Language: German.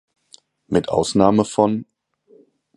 Mit Ausnahme von